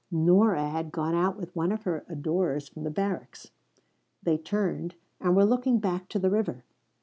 Nora had gone out with one of her adorers from the barracks. They turned, and were looking back to the river.